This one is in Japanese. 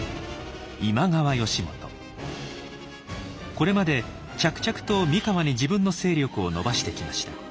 これまで着々と三河に自分の勢力を伸ばしてきました。